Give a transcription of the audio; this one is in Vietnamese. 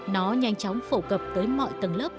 nó nhanh chóng phổ cập tới mọi tầng lớp